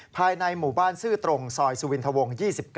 ภายในหมู่บ้านซื่อตรงซอยสุวินทวง๒๙